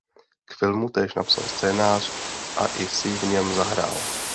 K filmu též napsal scénář a i si v něm zahrál.